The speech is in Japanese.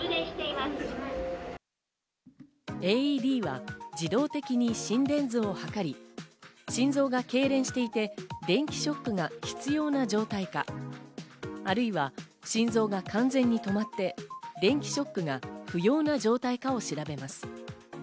ＡＥＤは自動的に心電図を測り、心臓が痙攣していて、電気ショックが必要な状態かあるいは心臓が完全に止まって電気ショックが不要な状態かを調べます。